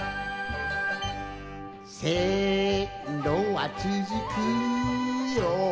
「せんろはつづくよ